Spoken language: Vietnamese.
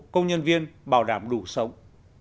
công nhân viên bảo đảm đủ sống